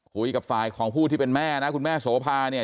คุยกับฝ่ายของผู้ที่เป็นแม่นะคุณแม่โสภาเนี่ย